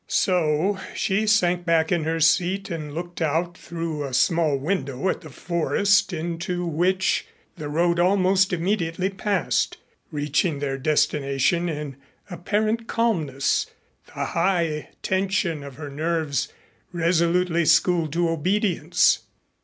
So she sank back in her seat and looked out through a small window at the forest into which the road almost immediately passed, reaching their destination in apparent calmness, the high tension of her nerves resolutely schooled to obedience.